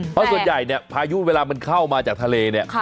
เพราะส่วนใหญ่เนี่ยพายุเวลามันเข้ามาจากทะเลเนี่ย